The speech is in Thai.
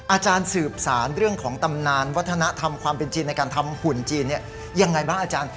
อาจารย์สืบสารเรื่องของตำนานวัฒนธรรมความเป็นจีนในการทำหุ่นจีนยังไงบ้างอาจารย์